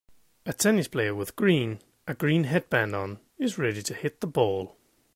A tennis player with green a green headband on is ready to hit the ball